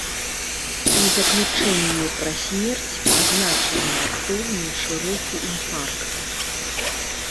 У заключэнні пра смерць пазначаны раптоўны шырокі інфаркт.